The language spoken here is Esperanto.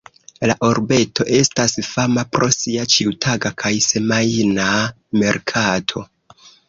La urbeto estas fama pro sia ĉiutaga kaj semajna merkato.